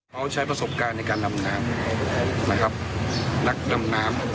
เขาใช้ประสบการณ์ในการดำน้ำนะครับ